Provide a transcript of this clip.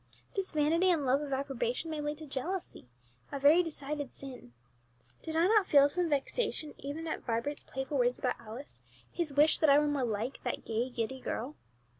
This vanity and love of approbation may lead to jealousy, a very decided sin. Did I not feel some slight vexation even at Vibert's playful words about Alice, his wish that I were more like that gay, giddy girl?